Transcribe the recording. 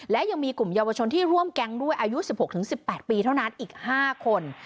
และยังมีกลุ่มเยาวชนที่ร่วมแก๊งด้วยอายุ๑๖๑๘ปีเท่านั้นอีก๕คน